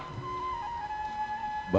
semoga sakinah mawadah warohmah